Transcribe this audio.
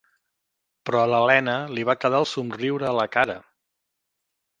Però a l'Helena li va quedar el somriure a la cara.